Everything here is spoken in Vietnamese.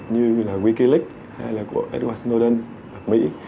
như là wikileaks hay là của edward snowden ở mỹ